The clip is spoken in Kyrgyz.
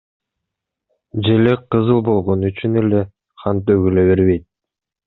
Желек кызыл болгон үчүн эле кан төгүлө бербейт.